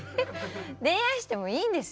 恋愛してもいいんですよ。